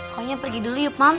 koknya pergi dulu yuk mams